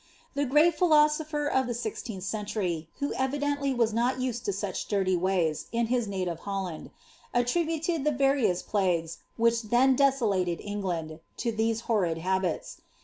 The great philosopher of the sixteenth century, who evidently was not used to such dirty ways, in his native Holland, attributed the various plagues, which then deso lated England, to these horrid habits.